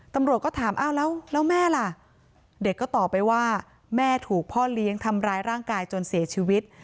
ตำรวจก็ถามอ้าวแล้วแม่ล่ะเด็กก็ตอบไปว่าแม่ถูกพ่อเลี้ยงทำร้ายร่างกายจนเสียชีวิต